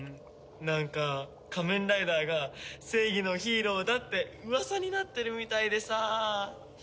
なんか仮面ライダーが正義のヒーローだって噂になってるみたいでさ。